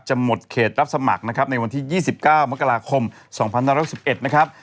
หมดเขตรับสมัครนะครับในวันที่๒๙มกราคม๒๑๖๑นะครับ